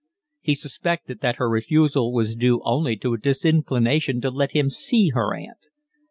He suspected that her refusal was due only to a disinclination to let him see her aunt.